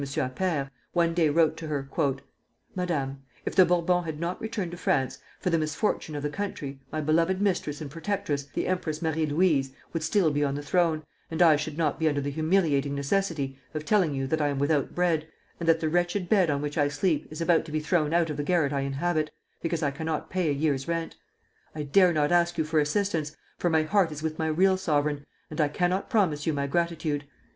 Appert, one day wrote to her: MADAME, If the Bourbons had not returned to France, for the misfortune of the country, my beloved mistress and protectress, the Empress Marie Louise, would still be on the throne, and I should not be under the humiliating necessity of telling you that I am without bread, and that the wretched bed on which I sleep is about to be thrown out of the garret I inhabit, because I cannot pay a year's rent. I dare not ask you for assistance, for my heart is with my real sovereign, and I cannot promise you my gratitude.